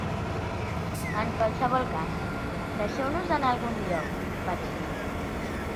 "En qualsevol cas, deixeu-nos anar a algun lloc", vaig dir.